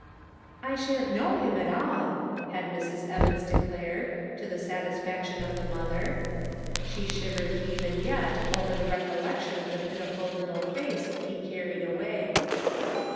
" I shouldn't know him at all," had Mrs. Evans declared, to the satisfaction of the mother. She shivered even yet over the rec ollection of the pitiful little face he carried away.